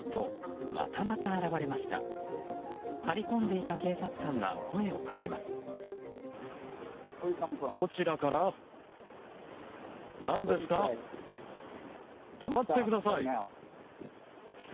張り込んでいた警察官が声をかけます。